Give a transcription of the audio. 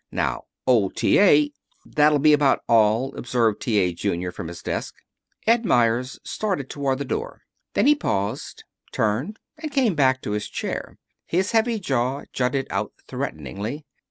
Now, old T. A. " "That'll be about all," observed T. A. Junior, from his desk. Ed Meyers started toward the door. Then he paused, turned, and came back to his chair. His heavy jaw jutted out threateningly.